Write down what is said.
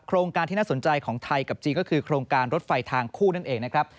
โครงการที่น่าสนใจของไทยกับจีนก็คือโครงการรถไฟทางคู่นั่นเองนะครับ